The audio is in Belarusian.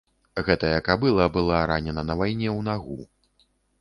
Гэтая кабыла была ранена на вайне ў нагу.